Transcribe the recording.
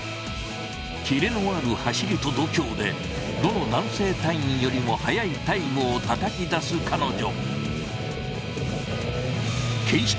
切れのある走りと度胸でどの男性隊員よりも速いタイムをたたきだす彼女。